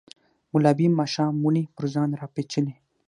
ګلابي ماښام ونې پر ځان راپیچلې